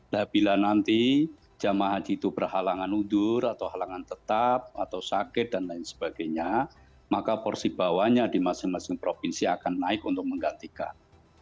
nah bila nanti jemaah haji itu berhalangan undur atau halangan tetap atau sakit dan lain sebagainya maka porsi bawahnya di masing masing provinsi akan naik untuk menggantikan